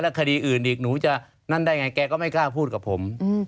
คดีอื่นอีกหนูจะนั่นได้ไงแกก็ไม่กล้าพูดกับผม